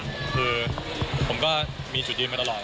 คือผมก็มีจุดยืนมาตลอด